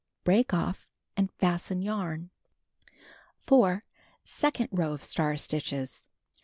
Break off and fasten yarn. 4. Second row of star stitches.